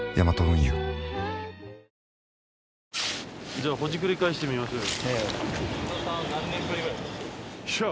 じゃあほじくり返してみましょうよ。